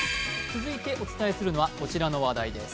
続いてお伝えするのはこちらの話題です。